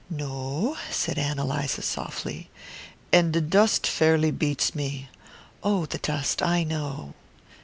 "No," said Ann Eliza softly. "And the dust fairly beats me." "Oh, the dust I know!"